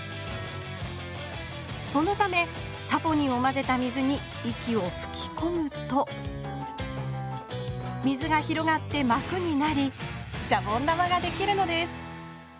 そのためサポニンをまぜた水に息をふきこむと水が広がってまくになりシャボン玉ができるのです